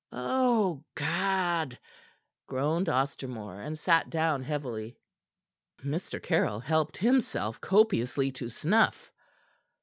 "O God!" groaned Ostermore, and sat down heavily. Mr. Caryll helped himself copiously to snuff.